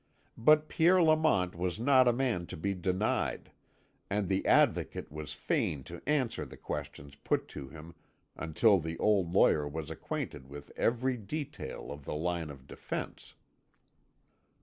But Pierre Lamont was not a man to be denied, and the Advocate was fain to answer the questions put to him until the old lawyer was acquainted with every detail of the line of defence.